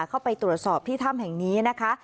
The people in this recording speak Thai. เข้าไปตรวจสอบที่ถ้ำแห่งนี้นะคะ